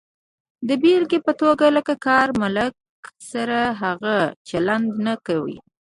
د بېلګې په توګه، له کار مالک سره هغه چلند نه کوئ.